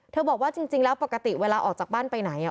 บอกว่าจริงแล้วปกติเวลาออกจากบ้านไปไหน